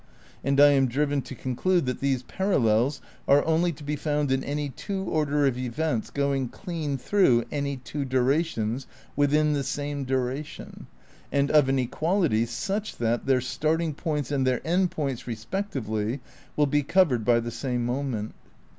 And I am driven to conclude that these parallels are only to be found in any two orders of events going clean through any two durations within the same dura tion, and of an equality such that their starting points and their end points respectively will be covered by the same moment.